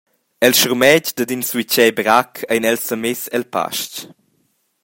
El schurmetg dad in suitger brac ein els semess el pastg.